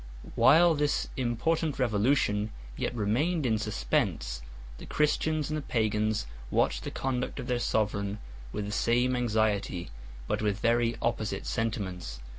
9 While this important revolution yet remained in suspense, the Christians and the Pagans watched the conduct of their sovereign with the same anxiety, but with very opposite sentiments.